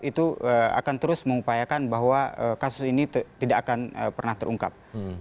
itu akan terus mengupayakan bahwa kasus ini tidak akan pernah terungkap